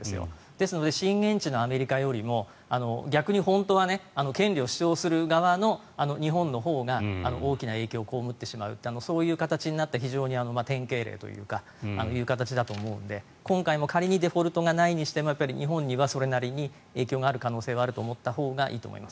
ですので震源地のアメリカよりも逆に本当は権利を主張する側の日本のほうが大きな影響を被ってしまうというそういう形になった、非常に典型例という形だと思うので今回も仮にデフォルトがないにしても日本にはそれなりに影響がある可能性があると思ったほうがいいと思います。